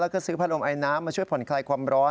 แล้วก็ซื้อพัดลมไอน้ำมาช่วยผ่อนคลายความร้อน